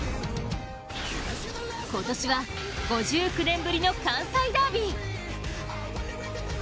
今年は５９年ぶりの関西ダービー。